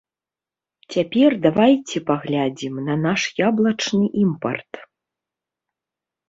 Цяпер давайце паглядзім на наш яблычны імпарт.